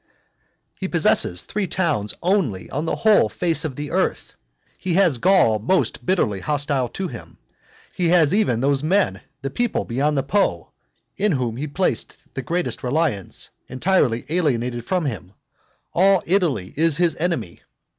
V. He possesses three towns only on the whole face of the earth. He has Gaul most bitterly hostile to him, he has even those men the people beyond the Po, in whom he placed the greatest reliance, entirely alienated from him, all Italy is his enemy.